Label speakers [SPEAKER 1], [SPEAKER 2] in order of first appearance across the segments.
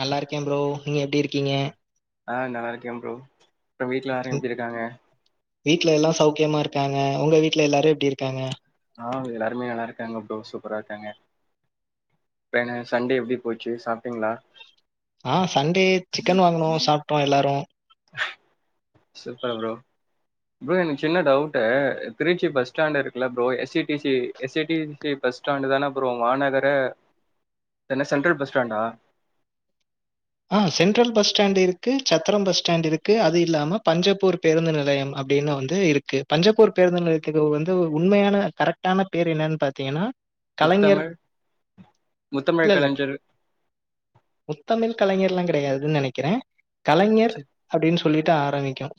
[SPEAKER 1] நல்லா இருக்கேன் ப்ரோ. நீங்க எப்டி இருக்கீங்க
[SPEAKER 2] ஆ நல்லா இருக்கே ப்ரோ அப்பறம் வீட்ல எல்லாரு
[SPEAKER 1] ம்
[SPEAKER 2] எப்டி இருக்காங்க
[SPEAKER 1] வீட்ல எல்லா சௌக்கியமா இருக்காங்க உங்க வீட்ல எல்லாரு எப்டி இருக்காங்க
[SPEAKER 2] ஆ எல்லாருமே நல்லா இருக்காங்க ப்ரோ சூப்பரா இருக்காங்க வேறே சண்டே எப்டி போச்சு சாப்டிங்களா
[SPEAKER 1] ஆ சண்டே சிக்கன் வாங்குனோ சாப்ட்டோ எல்லாரு
[SPEAKER 2] சூப்பர் ப்ரோ ப்ரோ எனக்கு சின்ன டவுட்டு திருச்சி பஸ் ஸ்டாண்ட் இருக்குல்ல bro S C T C S I T C bus stand தானா ப்ரோ மாநகர என்ன சென்ட்ரல் பஸ் ஸ்டாண்டா
[SPEAKER 1] ஆ சென்ட்ரல் பஸ் ஸ்டாண்ட் இருக்கு சத்திரோ பஸ் ஸ்டாண்ட் இருக்கு அது இல்லாம பஞ்சபூர் பேருந்து நிலையம் அப்டின்னு வந்து இருக்கு பஞ்சப்பூர் பேருந்து நிலையத்துக்கு வந்து உண்மையான கரெக்ட் ட்டான பேரு என்னன்னு பாத்தீங்கன்னா கலைஞர்
[SPEAKER 2] முத்தமிழ் முத்தமிழ்
[SPEAKER 1] இல்ல இல்ல
[SPEAKER 2] கலைஞர்
[SPEAKER 1] முத்தமிழ் கலைஞர்லா கடையாதுனு நனைக்கறே கலைஞர்
[SPEAKER 2] ச்சீ
[SPEAKER 1] அப்டின்னு சொல்லிட்டு ஆரம்பிக்கும்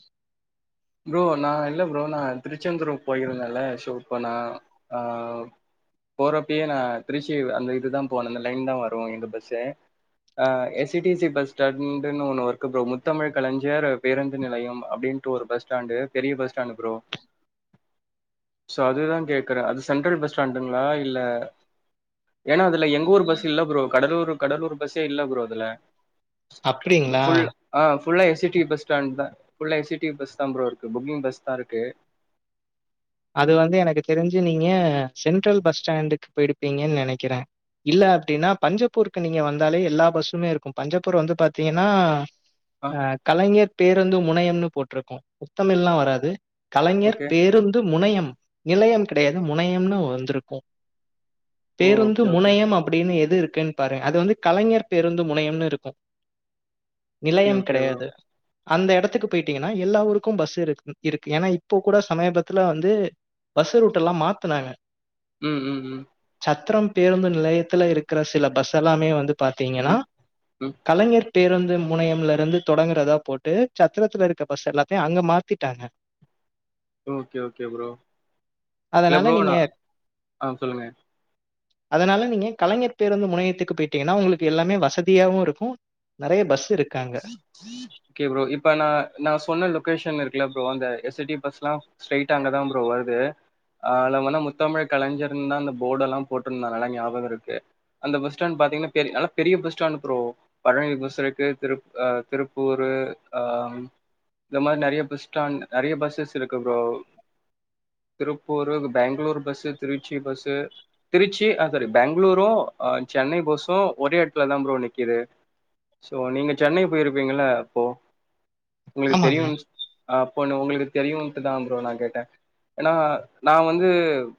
[SPEAKER 2] ப்ரோ நா இல்ல ப்ரோ நா திருச்செந்தூரு போயிருந்தேல சோ அப்போ நா ஆ போறப்பயே நா திருச்சி அந்த இதுதா போனே அந்த லைன் தா வரும் இந்த பஸ்ஸே ஆ S E T C bus ஸ்டாண்டுன்னு ஒன்னு இருக்கு ப்ரோ முத்தமிழ் கலைஞர் பேருந்து நிலையம் அப்டின்ட்டு ஒரு பஸ் ஸ்டாண்டு ப்ரோ பெரிய பஸ் ஸ்டாண்டு் ப்ரோ சோ அதுதா கேக்கறே அது சென்ட்ரல் பஸ் ஸ்டாண்டுங்களா இல்ல ஏன்னா அதுல எங்க ஊர் பஸ் இல்ல ப்ரோ கடலூர் கடலூர் பஸ்ஸே இல்ல ப்ரோ அதுல
[SPEAKER 1] அப்டிங்களா?
[SPEAKER 2] ஃபுல் அ ஃபுல்லா S E T C bus stand தா ஃபுல்லா S E T C bus இதா ப்ரோ இருக்கு புக்கிங் பஸ் தா இருக்கு
[SPEAKER 1] அது வந்து எனக்கு தெரிஞ்சு நீங்க சென்ட்ரல் பஸ் ஸ்டாண்டுக்கு போயிருப்பீங்கன்னு நெனைக்கறே இல்ல அப்டின்னா பஞ்சப்பூருக்கு நீங்க வந்தாலே எல்லா பஸ்ஸுமே இருக்கும் பஞ்சப்பூர் வந்து பாத்தீங்கன்னா
[SPEAKER 2] ஆ
[SPEAKER 1] அ கலைஞர் பேருந்து முனையம்னு போட்டுருக்கும் முத்தமிழ்ல்லாம் வராது கலைஞர்
[SPEAKER 2] ஓகே
[SPEAKER 1] பேருந்து முனையம் நிலயம் கடயாது முனையம்னு வந்திருக்கு
[SPEAKER 2] ஓ
[SPEAKER 1] பேருந்து
[SPEAKER 2] ஓகே ஓகே
[SPEAKER 1] முனையம் அப்டின்னு எது இருக்குன்னு பாரு அது வந்து கலைஞர் பேருந்து முனையம்னு இருக்கு
[SPEAKER 2] ஓகே
[SPEAKER 1] நிலயம்
[SPEAKER 2] ஓகே ப்ரோ
[SPEAKER 1] கெடயாது அந்த எடத்துக்கு போயிட்டீங்கன்னா எல்லா ஊருக்கும் பஸ் இருக்கு இருக்கு ஏன்னா இப்ப கூட சமபத் இதுல வந்து பஸ்ஸு ரூட்ட எல்லா மாத்துனாங்க
[SPEAKER 2] ம் ம் ம்
[SPEAKER 1] சத்தர பேருந்து நிலையத்துல இருக்கற சில பஸ் எல்லாமே வந்து பாத்தீங்கன்னா
[SPEAKER 2] ம் ம்
[SPEAKER 1] கலைஞர் பேருந்து முனையம்ல இருந்து தொடங்குறதா போட்டு சத்தரத்துல இருக்க பஸ் எல்லாத்தையு அங்க மாத்திட்டாங்க
[SPEAKER 2] ஓகே ஓகே ப்ரோ இல்ல
[SPEAKER 1] அதனால
[SPEAKER 2] ப்ரோ
[SPEAKER 1] நீங்க
[SPEAKER 2] நா ஆ சொல்லுங்க
[SPEAKER 1] அதனால நீங்க கலைஞர் பேருந்து முனையத்துக்கு போயிட்டீங்கன்னா உங்களுக்கு எல்லாமே வசதியாவு இருக்கு நறைய பஸ் இருக்கு
[SPEAKER 2] ஓகே ப்ரோ இப்ப நா நா சொன்ன லொகேஷன் இருக்குல ப்ரோ அந்த எஸ் சி டி பஸ்லா ஸ்ட்ரைட்டா அங்க தா ப்ரோ வருது ஆல வனா முத்தமிழ் கலைஞர்னுதா அந்த போர்டு எல்லா போட்ருந்தா நல்லா ஞாபகோ இருக்கு அந்த பஸ் ஸ்டாண்ட் பாத்தீங்கன்னா பெரிய நல்லா பெரிய bus stand bro Palani bus இருக்கு திருப் ஆ திருப்பூரு ஆ இந்த மாரி நறைய பஸ் ஸ்டாண்ட் நெறைய பஸ்ஸஸ் இருக்கு ப்ரோ திருப்பூரு இந்த பேங்களூர் பஸ்ஸு திருச்சி பஸ்ஸு திருச்சி ஆ சாரி பெங்களூரும் ஆ சென்னை பஸ்ஸும் ஒரே எடத்துல தா ப்ரோ நிக்கிது சோ நீங்க சென்னை போயிருப்பீங்கல அப்போ உங்களுக்கு தெரியு
[SPEAKER 1] ஆமாங்க
[SPEAKER 2] அப்பன்ன உங்களுக்கு தெரியும்ன்ட்டு தா ப்ரோ நா கேட்டே ஏன்னா நா வந்து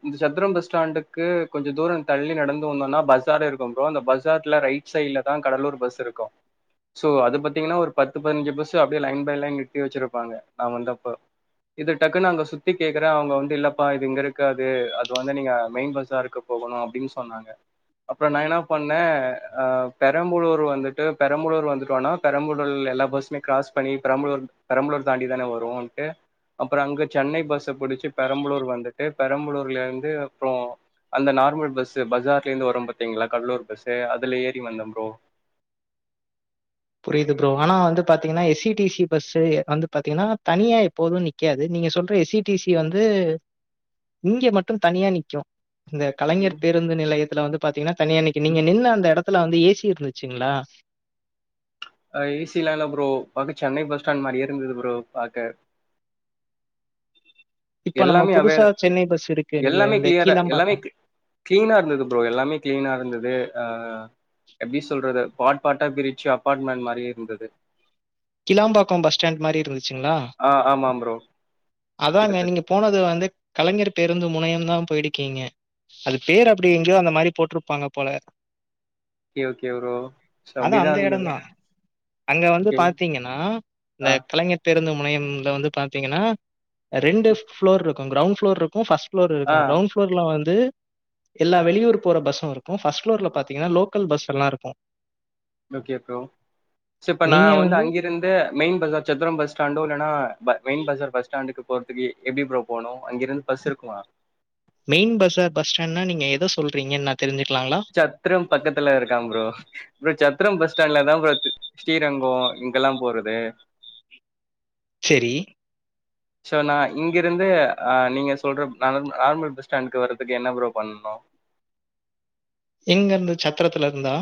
[SPEAKER 2] இந்த சத்திர பஸ் ஸ்டாண்டுக்கு கொஞ்சோ தூரோ தள்ளி நடந்து வந்தோனா பஸாரே இருக்கும் ப்ரோ அந்த பஸ் ஸார்ல ரைட் சைடுல தா கடலூர் பஸ் இருக்கும் சோ அத பாத்தீங்கன்னா ஒரு பத்து பதினஞ்சு பஸ் அப்டியே லைன் பை லைன் நிறுத்தி வச்சிருப்பாங்க நா வந்தப்ப இது டக்குன்னு அங்க சுத்தி கேக்குறே அவங்க வந்து இல்லப்பா இது இங்க இருக்காது அது வந்து நீங்க மெயின் பஸாருக்கு போகணு அப்டின்னு சொன்னாங்க அப்புறோ நா என்ன பண்ணே ஆ பெரம்பலூர் வந்துட்டு பெரம்பலூர் வந்துட்டு இருக்கோனா பெரம்பலூர் எல்லா பஸ்ஸுமே கிராஸ் பண்ணி பெரம்பலூர் பெரம்பலூர் தாண்டி தான வருன்ட்டு அப்றோ அங்க சென்னை பஸ்ஸ புடிச்சு பெரம்பலூர் வந்துட்டு பெரம்பலூர்ல இருந்து அப்றோ அந்த நார்மல் பஸ்ஸு பஸார்லேந்து வரும் பாத்தீங்களா கடலூர் பஸ்ஸு அதுல ஏறி வந்த ப்ரோ
[SPEAKER 1] புரிது ப்ரோ ஆனா வந்து பாத்தீங்கனா S C T C bus எ வந்து பாத்தீங்கனா தனியா எப்போதூ நி க்யாது நீங்க சொல்ற எஸ் சி டி சி வந்து இங்க மட்டும் தனியா நிக்கூ இந்த கலைஞர் பேருந்து நிலயத்துல வந்து பாத்தீங்குனா தனியா நிக்கு நீங்க நின்ன அந்த எடத்துல வந்து ஏசி இருந்துச்சிங்ளா
[SPEAKER 2] அது ஏசிலா இல்ல ப்ரோ பாக்க சென்னை பஸ் ஸ்டாண்ட் மாரியே இருந்தது ப்ரோ பாக்க
[SPEAKER 1] இப்ப நம்ம
[SPEAKER 2] எல்லாமே
[SPEAKER 1] புதுசா
[SPEAKER 2] அவேல எ
[SPEAKER 1] சென்னை பஸ் இருக்கு இல்ல
[SPEAKER 2] எல்லாமே
[SPEAKER 1] இந்த
[SPEAKER 2] கிளியரா எல்லாமே
[SPEAKER 1] கீழாம்பாக்கம்
[SPEAKER 2] க் கிளீனா இருந்தது ப்ரோ எல்லாமே கிளீனா இருந்துது ஆ எப்டி சொல்றது பாட் பாட்டா பிரிச்சி அபாட்மெண் மாரி இருந்தது
[SPEAKER 1] கிளாம்பாக்கோ பஸ் ஸ்டாண்ட் மாரி இருந்துச்சுங்ளா
[SPEAKER 2] ஆ ஆமா ப்ரோ
[SPEAKER 1] அதாங்க
[SPEAKER 2] கிட்டத்தட்ட
[SPEAKER 1] நீங்க போனது வந்து கலைஞர் பேருந்து முனையம்தா போய்டுக்கீங்க அது பேர் அப்டி எங்யோ அந்த மாரி போட்ருப்பாங்க போல
[SPEAKER 2] ஓகே ஓகே ப்‌ரோ சோ
[SPEAKER 1] அது
[SPEAKER 2] அப்டிதா
[SPEAKER 1] அந்த இடம்
[SPEAKER 2] இருந்தது ஓகே
[SPEAKER 1] ஆனா இந்த
[SPEAKER 2] ஆ
[SPEAKER 1] கலைஞர் பேருந்து முனயம்ல வந்து பாத்தீங்கனா ரெண்டு ஃபளோர்ரு க்கு கிரௌன் ஃப்ளோர்ருக்கு ப்ஸ்ட் ஃப்ளோர் இருக்கு
[SPEAKER 2] ஆ
[SPEAKER 1] கிரௌண் ஃப்ளோர்ல வந்து எல்லா வெளியூர் போற பஸ்ஸு இருக்கு ஃபஸ்ட் ப்ளோர்ல பாத்தீங்கனா லோகல் பஸ்ஸெலா இருக்கு
[SPEAKER 2] ஓகே ப்ரோ ஸிப்ப நா வந்து அங்கிர் ந்து மெய்ன் பஸார் சத்ரோ பஸ் ஸ்டாண்டோ இல்லனா ப மெய்ன் பஸார் பஸ் ஸ்டாண்டுக்கு போற்துக்கு எப்டி ப்ரோ போனு அங்கிருந் பஸ் இருக்குமா
[SPEAKER 1] மெய்ன் பஸார் பஸ் ஸ்டாண்னா நீங்க எத சொல்றீங்கன் நா தெரிஞ்சுக்லாங்ளா
[SPEAKER 2] சத்ரம் பக்கத்துல இருக்கான் ப்ரோ இப்ப சத்ரம் பஸ் ஸ்டாண்ட்லதா ப்ரோ ஸ்ரீரங்கோ இங்கெலா போறது
[SPEAKER 1] செரி
[SPEAKER 2] சோ நா இங்கிருந்து ஆ நீங்க சொல்ற நலமு நார்மல் பஸ் ஸ்டாண்டு்க்கு வர்றதுக்கு என்ன ப்ரோ பண்ணுணு
[SPEAKER 1] எங்கர்ந்து சத்திரத்துல இருந்தா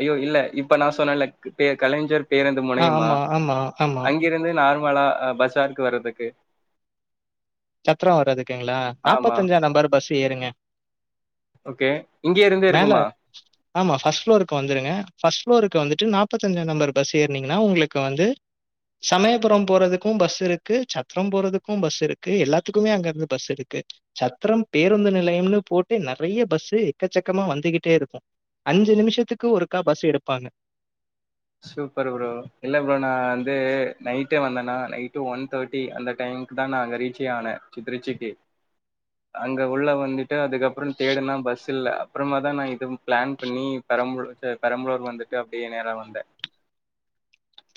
[SPEAKER 2] ஐயோ இல்ல இப்ப நா சொன்னல க் பே கலைஞர் பேருந்து
[SPEAKER 1] ஆ
[SPEAKER 2] முனையமா
[SPEAKER 1] ஆமா, ஆமா, ஆமா.
[SPEAKER 2] அங் கிருந்து நார்மலா அ பஸ்ஸ்டாண்ட்க்கு வறதுக்கு
[SPEAKER 1] சத்ரோ வரதுக்குங்ளா
[SPEAKER 2] ஆமா
[SPEAKER 1] நாப்பத்தஞ்சா நம்பர் பஸ்ஸு ஏறுங்க மேல ! ! ! ! ! ! ! ! ! ! ஆமா ஃபஸ்ட் ஃப்ளோருக்கு வந்துருங்க ஃபஸ்ட் ஃப்ளோருக்கு வந்துட்டு நாப்பத்தஞ்சா நம்பர் பஸ் ஏற்னீங்குனா உங்ளுக்கு வந்து சமயபுரம் போறதுக்கூ பஸ் இருக்கு சத்ரம் போறதுக்கு பஸ் இரு க்கு எல்லாத்துக்குமே அங்கர்ந்து பஸ் இருக்கு சத்ரம் பேருந்து நிலையம்னு போட்டு நெறைய பஸ்ஸு எக்க சக்கமா வந்துகிஞ்டே இருக்கு அஞ்சு நிமிஷத்துக்கு ஒருக்கா பஸ் எடுப்பாங்க
[SPEAKER 2] சூப்பர் ப்ரோ இல்ல ப்ரோ நா வந்து நைட்டே வந்தனா நைட்டு ஒன் தேட்டி அந்த டைமுக்குதா நா அங்க ரீச்சே ஆன ச்சி திருச்சிக்கி அங்க உள்ள வந்துட்டு அதுக்கப்புறந் தேடுன பஸ் இல்ல அப்புறமாதா நா இதுவும் பிளான் பண்ணி பெரம்புலூர்க்கு பெரம்புலூர் வந்துட்டு அப்டியே நேரா வந்த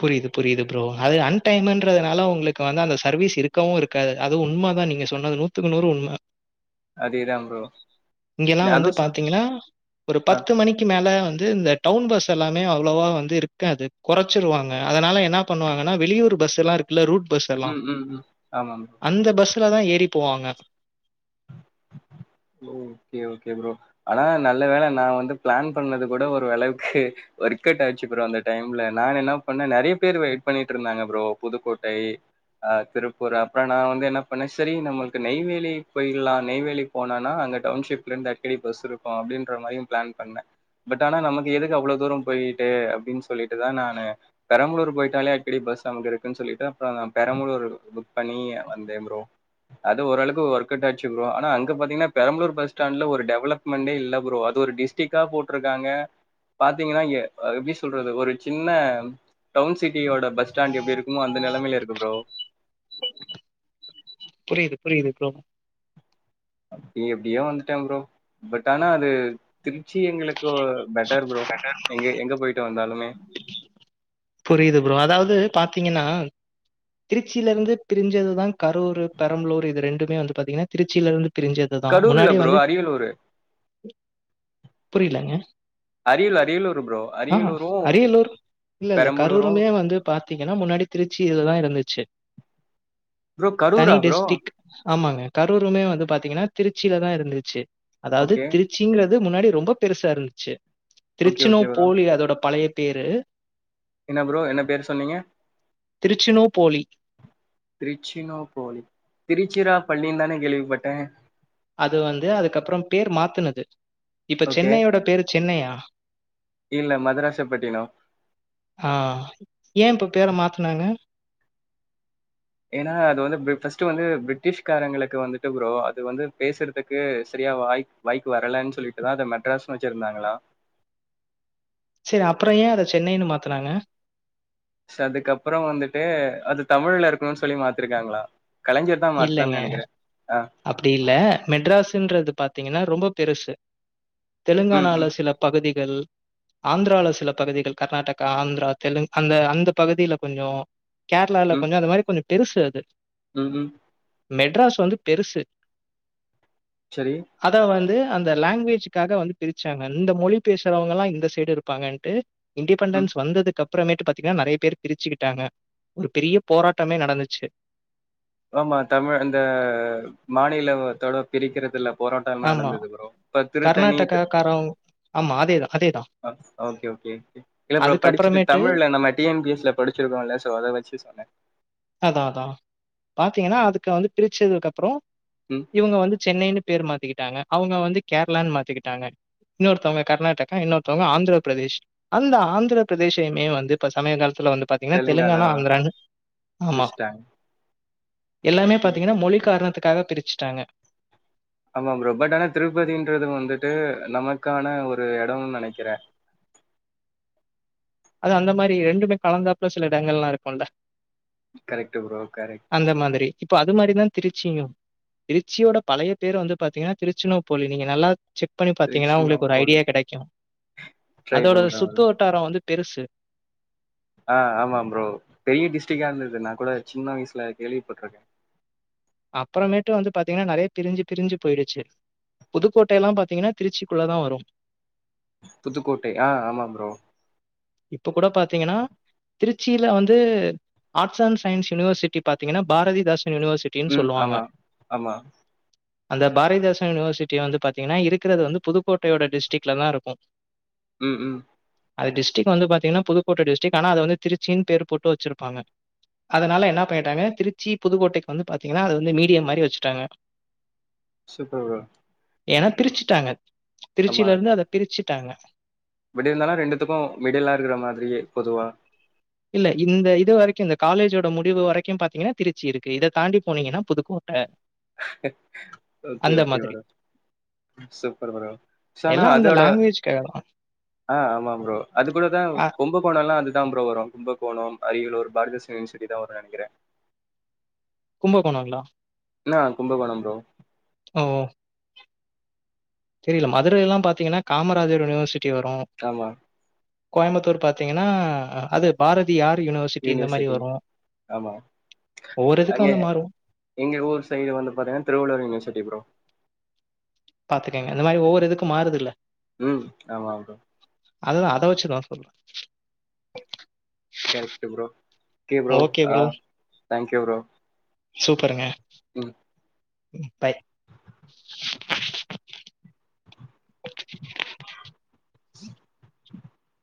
[SPEAKER 1] புரிது புரிது ப்ரோ அது அன் டைமூன்றது நாலா உங்ளுக்கு வந்து அந்த சருவீஸ் இரு க்கவு இருக்காது அது உண்மதா நீங்க சொன்னது நூத்துக்கு நூறு உண்ம
[SPEAKER 2] அதேதா ப்ரோ
[SPEAKER 1] இங்கெலா வந்து
[SPEAKER 2] அதுவு சொ
[SPEAKER 1] பாத்தீங்கனா ஒரு
[SPEAKER 2] ஆ
[SPEAKER 1] பத்து மணிக்கு மேல வந்து இந்த டவுன் பஸ் எல்லாமே அவளோவா வந்து இருக்காது கொற ச்சுருவாங்க அதனால என்ன பண்ணுவாங்கனா வெளியூரு பஸ்ஸெலா இருக்குல ரூட் பஸ் எல்லாம்.
[SPEAKER 2] ம் ம் ம் ஆமா ப்ரோ
[SPEAKER 1] அந்த பஸ்லதா ஏறி போவாங்க
[SPEAKER 2] ஓகே ஓகே ப்ரோ ஆனா நா நல்ல வேல நா வந்து பிளான் பண்ணது கூட ஒரு அளவுக்கு வொர்க்அவுட் ஆச்சு ப்ரோ அந்த டைம்ல நா என்ன பண்ண நறய பேர் வெயிட் பண்ணிட்டுருந்தாங்க ப்ரோ புதுக்கோட்டை ஆ திருப்பூர் அப்புறோ நா வந்து என்ன பண்ண சரி நம்முளுக்கு நெய்வேலி போயிட்லா நெய்வேலி போனானா அங்க டவுன்ஷிப்ல இருந்து அடிக்கடி பஸ் இருக்கோ அப்டின்ற மாரியு பிளான் பண்ண பட் ஆனா நமக்கு எதுக்கு அவ்ளோ தூரோ போயிட்டு அப்டின்னு சொல்லிட்டுதா நானு பெரம்பலூர் போயிட்டாலே அடிக்கடி பஸ் அங்க இருக்குன்னு சொல்லிட்டு அப்புறோ நா பெரம்பலூர் புக் பண்ணி வந்தே ப்ரோ அது ஓரளவுக்கு ஒர்க் அவுட் ஆச்சு ப்ரோ ஆனா அங் க பாத்தீங்கன்னா பெரம்பலூர் பஸ்ஸ்டாண்ட்ல ஒரு டெவலப்மெண்டே இல்ல ப்ரோ அது ஒரு டிஸ்டிகா போட்ருக்காங்க பாத்தீங்கன்னா அ அது எப்டி சொல்றது ஒரு சின்ன டவுன் சிட்டியோட பஸ்டாண்டு எப்டி இருக்குமோ அந்த நெலமையுல இருக்கு ப்ரோ
[SPEAKER 1] புரியுது புரியுது ப்ரோ
[SPEAKER 2] அப்டி எப்டியோ வந்துட்டே ப்ரோ பட் ஆனா அது திருச்சி எங்குளுக்கு பெட்டர் ப்ரோ எங்க எங்க போயிட்டு வந்தாலுமே
[SPEAKER 1] புரியுது ப்ரோ அதாவது பாத்தீங்கன்னா திருச்சிலிருந்து பிரிஞ்சதுதா கரூர் பெரம்பலூர் இது ரெண்டுமே வந்து பாத்தீங்கன்னா திருச்சியில இருந்து பிரிஞ்சது அதுதா
[SPEAKER 2] கரூர் இல்ல
[SPEAKER 1] முன்னாடியே
[SPEAKER 2] ப்ரோ.
[SPEAKER 1] வந்து
[SPEAKER 2] அரியலூரு.
[SPEAKER 1] புரியலங்க
[SPEAKER 2] அரியல் அரியலூரு ப்ரோ
[SPEAKER 1] ஆஹா
[SPEAKER 2] அரியலூரும்,
[SPEAKER 1] அரியலூர் இல்ல இல்ல
[SPEAKER 2] பெரம்பலூரும்
[SPEAKER 1] கரூரமே வந்து பாத்தீங்கன்னா முன்னாடி திருச்சி இதுதா இருந்துச்சு
[SPEAKER 2] ப்ரோ
[SPEAKER 1] தனி
[SPEAKER 2] கரூரா ப்ரோ?
[SPEAKER 1] டிஸ்டிக் ஆமாங்க கரூமே வந்து பாத்தீங்கன்னா திருச்சியிலதா இருந்துச்சு அதாவது
[SPEAKER 2] ஓகே.
[SPEAKER 1] திருச் சிங்கிறது முன்னாடி ரொம்போ பெருசா இருந்துச்சு
[SPEAKER 2] ஓகே,
[SPEAKER 1] திருச்சினு
[SPEAKER 2] ஓகே ப்ரோ.
[SPEAKER 1] போலி அதோட பழைய பேரு
[SPEAKER 2] என்ன ப்ரோ என்ன பேரு சொன்னீங்க
[SPEAKER 1] திருச்சினோபோலி.
[SPEAKER 2] திருச்சினோ போலி திருச்சிரா பள்ளிந்தான கேள்விப்பட்ட
[SPEAKER 1] அது வந்து அதுக்கப்புறோ பேரு மாத்தனது இப்ப
[SPEAKER 2] ஓகே.
[SPEAKER 1] சென்னையோட பேரு சென்னையா
[SPEAKER 2] இல்ல மதராசப்பட்டினம்.
[SPEAKER 1] ஆ ஏ இப்ப பேர மாத்தனாங்க
[SPEAKER 2] ஏனா அது வந்து ஃபர்ஸ்ட்டு வந்து பிரிட்டிஷ்காரங்களுக்கு வந்துட்டு ப்ரோ அது வந்து பேசறதுக்கு சரியா வாய் ப்பு வரலன்னு சொல்லிட்டுதா அத மெட்ராஸ்னு வெச்சிருந்தாங்களா
[SPEAKER 1] செரி அப்புறோ ஏ அத சென்னைன்னு மாத்தனாங்க
[SPEAKER 2] ச அதுக்கப்புறோ வந்துட்டு அது தமிழ்ல இருக்கணோனு சொல்லி மாத்திருக்காங்களா கலைஞர் தா மாத்தானாருனு நெனைக்குற அ
[SPEAKER 1] அப்டி இல்ல மெட்ராஸ்ன்றது பாத்தீங்கன்னா ரொம்போ பெருசு
[SPEAKER 2] ம், ம்,
[SPEAKER 1] தெலுங்கானால சில பகுதிகள் ஆந்திரால சில பகுதிகள் கர்நாடகா ஆந்திரா தெலுங் அந்த அந்த பகுதியில கொஞ்சோ கேரளால
[SPEAKER 2] ம்,
[SPEAKER 1] கொஞ்சோ அந்த மாரி கொஞ்சோ பெருசு அது
[SPEAKER 2] ம் ம்
[SPEAKER 1] மெட்ராஸ் வந்து பெருசு
[SPEAKER 2] செரி
[SPEAKER 1] அதா வந்து அந்த லாங்குவேஜக்காக வந்து பிரிச்சாங்க இந்த மொழி பேசுறவங்க எல்லா இந்த சைடு இருப்பாங்கன்ட்டு
[SPEAKER 2] ம்.
[SPEAKER 1] இண்டடிபெண்டன்ஸ் வந்ததுக்கப் பறமேட்டு பாத்தீங்கன்னா நறைய பேர் பிரிச்சுக்கிட்டாங்க ஒரு பெரிய போராட்டமே நடந்துச்சு
[SPEAKER 2] ஆமா தமிழ் அந்த மாநில தோட பிரிக்கிறதுல்ல போரோட்டோ எல்லா
[SPEAKER 1] ஆமா.
[SPEAKER 2] நடந்தது ப்ரோ இப்ப திருத்தணி இது
[SPEAKER 1] கர்நாடகாக்காரவங் ஆமா அதேதா அதேதா
[SPEAKER 2] ஓகே ஓகே இல்ல ப்ரோ படிச்சுட்டு
[SPEAKER 1] அதுக்கப்புறமேட்டு
[SPEAKER 2] தமிழ்ல நம்ம டி என் பிஸ்ல படிச்சிருக்கோல சோ அத வெச்சு சொன்னே
[SPEAKER 1] அதா அதா பாரத்தீங்கன்னா அதுக்கா வந்து பிரிச்சதுக்கு அப்புறோ
[SPEAKER 2] ம்
[SPEAKER 1] இவங்க வந்து சென்னைன்னு பேரு மாத்திக்கிட்டாங்க அவங்க வந்து கேரளான்னு மாத்திக்கிட்டாங்க இன்னொருத்தவங்க கர்நாடகா இன்னொருத்தவங்க ஆந்திரப்பிரதேஷ் அந்த ஆந்திர பிரதேசையுமே வந்து இப்ப சமய காலத்துல வந்து பாத்தீங்கன்னா தெலுங்கானா ஆந்துரான்னு
[SPEAKER 2] பிரிச்டாங்க
[SPEAKER 1] எல்லாமே பாத்தீங்கன்னா மொழி காரணத்துக்காக பிரிச்சுட்டாங்க
[SPEAKER 2] ஆமா ப்ரோ பட் ஆனா திருப்பதின்றது வந்துட்டு நமக்கான ஒரு எடொ நெனைக்குறே
[SPEAKER 1] அது அந்த மாரி ரெண்டுமே கலந்தாப்புல சில எடங்கள்லா இருக்குல்ல
[SPEAKER 2] கரெக்ட் ப்ரோ கரெக்
[SPEAKER 1] அந்த மாதிரி இப்ப அது மாரிதா திருச்சியு திருச்சியோட பழைய பேர் வந்து பாத்தீங்கன்னா திருச்சிராப்பள்ளி நீங்க நல்லா செக் பண்ணி பாத்தீங்கன்னா
[SPEAKER 2] திருச்சினா
[SPEAKER 1] உங்களுக்கு ஒரு
[SPEAKER 2] போல
[SPEAKER 1] ஐடியா கெடைக்கு
[SPEAKER 2] ட்ரை
[SPEAKER 1] அதோட
[SPEAKER 2] பண்றே ப்ரோ
[SPEAKER 1] சுத்து வட்டாரோ வந்து பெருசு
[SPEAKER 2] ஆ ஆமா ப்ரோ பெரிய டிஸ்ட்ரிக்டா இருந்தது நா கூட சின்ன வயசுல கேள்விப்பட்டுருக்கே
[SPEAKER 1] அப்புறமேட்டு வந்து பாத்தீங்கன்னா நறைய பிரஞ்சு பிரிஞ்சி போயிடுச்சு புதுக்கோட்டைல்லா பாத்தீங்கன்னா திருச்சிக்குள்ள தா வரு
[SPEAKER 2] புதுக்கோட்டை ஆ ஆமா ப்ரோ
[SPEAKER 1] இப்ப கூட பாத்தீங்கன்னா திருச்சியில வந்து ஆர்ட்ஸ் அண்ட் சயின்ஸ் யுனிவர்சிட்டி பாத்தீங்கன்னா பாரதிதாசன் யுனிவர்சி ட்டின்
[SPEAKER 2] ம்
[SPEAKER 1] சொல்லுவாங்க
[SPEAKER 2] ஆமா ஆமா
[SPEAKER 1] அந்த பாரதிதாசன் யூனிவர்சிட்டி வந்து பாத்தீங்கன்னா இருக்குறது வந்து புதுக்கோட்டையோட டிஸ்டிக்ல தா இருக்கு
[SPEAKER 2] ம் ம்
[SPEAKER 1] அது டிஸ்டிக் வந்து பாத்தீங்கன்னா புதுக்கோட்டை டிஸ்டிக் ஆனா அது வந்து திருச்சின்னு பேரு போட்டு வெச்சிருப்பாங்க அதனால என்ன பண்ணிட்டாங்க திருச்சி புதுக்கோட்டைக்கு வந்து பாத்தீங்கன்னா அது வந்து மீடியம் மாரி வெச்சுட்டாங்க
[SPEAKER 2] சூப்பர் ப்ரோ
[SPEAKER 1] ஏன்னா பிரிச்சுட்டாங்க
[SPEAKER 2] ஆமா
[SPEAKER 1] திருச்சில இருந்து அத பிரிச்சுட்டாங்க
[SPEAKER 2] பட் இருந்தாலு ரெண்டுத்துக்கு மிடிலா இருக்குற மாதிரியே பொதுவா
[SPEAKER 1] இல்ல இந்த இது வரைக்கு இந்த காலேஜோட முடிவு வரைக்கு பாத்தீங்கன்னா திருச்சி இருக்கு இத தாண்டி போனீங்கன்னா புதுக்கோ
[SPEAKER 2] ஓகே
[SPEAKER 1] அந்த
[SPEAKER 2] ஓகே
[SPEAKER 1] மாதிரி
[SPEAKER 2] ப்ரோ சூப்பர் ப்ரோ சோ அனா
[SPEAKER 1] எல்லாம் அந்த
[SPEAKER 2] அதோட
[SPEAKER 1] லாங்குவேஜ்க்காக தான்.
[SPEAKER 2] ஆ ஆமா ப்ரோ அது கூடதா
[SPEAKER 1] அ
[SPEAKER 2] கும்பகோண எல்லா அதுதா ப்ரோ வரு கும்பகோணோ அரியலூர் பாரதிதாசன் யூனிவர்சிட் இங்கதா வரு நெனைக்குறே
[SPEAKER 1] கும்பகோணங்களா
[SPEAKER 2] இன்னா கும்பகோண ப்ரோ
[SPEAKER 1] ஓ தெரியல மதுரையெல்லா பாத்தீங்கன்னா காமராஜர் யூனிவர்சிட்டி வரு
[SPEAKER 2] காமா
[SPEAKER 1] கோயம்புத்தூர் பாத்தீங்கன்னா அது பாரதியார் யூனிவர் சிட்டி இந்த மாரி
[SPEAKER 2] யூனிவர்சிட்டி.
[SPEAKER 1] வரு
[SPEAKER 2] ஆமா.
[SPEAKER 1] ஒவ்வொரு இதுக்கு
[SPEAKER 2] அங்க
[SPEAKER 1] வந்து மாறு
[SPEAKER 2] எங்க ஊர் சைடு வந்து பாத்திங்கன்னா திருவள்ளுவர் யனிவர்சிட்டி ப்ரோ
[SPEAKER 1] பாத்துக்கேங்க இந்த மாரி ஒவ்வொரு இதுக்கு மாறுதுல்ல
[SPEAKER 2] ம் ஆமா ப்ரோ
[SPEAKER 1] அதுதா அத வச்சிதா சொல்றே
[SPEAKER 2] correct bro okay bro
[SPEAKER 1] okay
[SPEAKER 2] ஆ தேங்க்யூ ப்ரோ
[SPEAKER 1] சூப்பருங்க
[SPEAKER 2] ம்.
[SPEAKER 1] ம் பாய்
[SPEAKER 2] [inaudible]